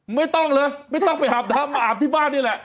ไม่ต้องเลยไม่ต้องไปอาบน้ำมาอาบที่บ้านนี่แหละ